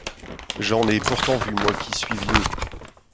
J’en ai pourtant vu, moi qui suis vieux !